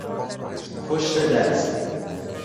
پشت دست